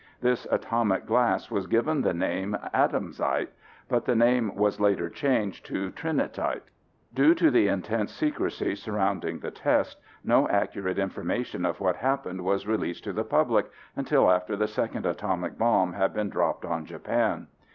This atomic glass was given the name Atomsite, but the name was later changed to Trinitite. Due to the intense secrecy surrounding the test, no accurate information of what happened was released to the public until after the second atomic bomb had been dropped on Japan.